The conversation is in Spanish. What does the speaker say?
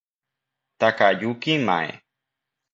Takayuki Mae